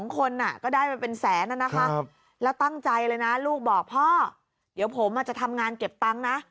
คนก็ได้ไปเป็นแสนนะคะแล้วตั้งใจเลยนะลูกบอกพ่อเดี๋ยวผมจะทำงานเก็บตังค์นะ